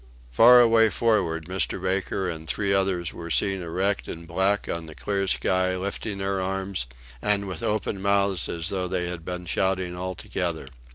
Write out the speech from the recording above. Far away forward, Mr. Baker and three others were seen erect and black on the clear sky, lifting their arms, and with open mouths as though they had been shouting all together.